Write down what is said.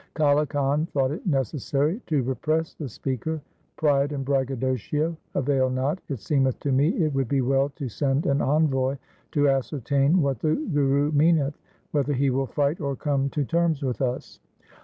Kale Khan thought it necessary to repress the speaker, ' Pride and braggadocio avail not. It seemeth to me it would be well to send an envoy to ascertain what the Guru meaneth — whether he will fight or come to terms with us.'